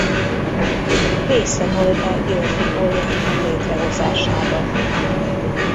Része volt a Györffy Kollégium létrehozásában.